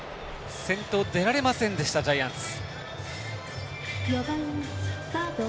先頭出られませんでしたジャイアンツ。